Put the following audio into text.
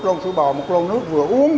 một lon sữa bò một lon nước vừa uống